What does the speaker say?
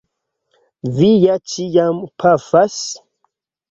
Vi ja ĉiam pafas?